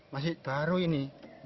masih baru ini